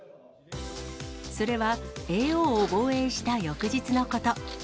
それは叡王を防衛した翌日のこと。